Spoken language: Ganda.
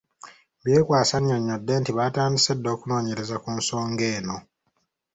Byekwaso annyonnyodde nti baatandise dda okunoonyereza ku nsonga eno .